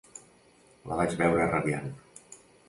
La vaig veure radiant.